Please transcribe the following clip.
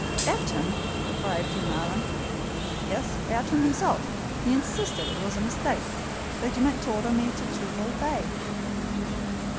"Ayrton!" cried Glenarvan. "Yes, Ayrton himself. He insisted it was a mistake: that you meant to order me to Twofold Bay."